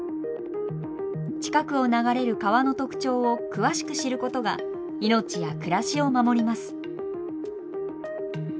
近くを流れる川の特徴を詳しく知ることが命や暮らしを守ります。